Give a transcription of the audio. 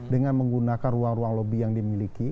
dengan menggunakan ruang ruang lobby yang dimiliki